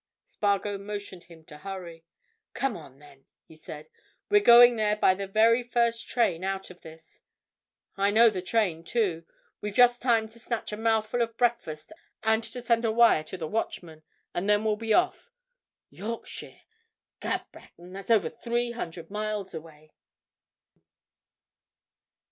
Spargo motioned him to hurry. "Come on, then," he said. "We're going there by the very first train out of this. I know the train, too—we've just time to snatch a mouthful of breakfast and to send a wire to the Watchman, and then we'll be off. Yorkshire!—Gad, Breton, that's over three hundred miles away!"